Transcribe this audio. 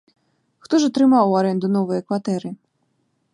Хто ж атрымаў у арэнду новыя кватэры?